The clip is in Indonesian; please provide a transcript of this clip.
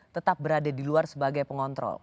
tetap berada di luar sebagai pengontrol